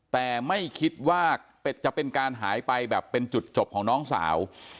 แต่ไม่คิดว่าจะเป็นการหายไปแบบเป็นจุดจบของน้องสาว